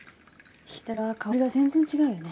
ひきたては香りが全然違うよね。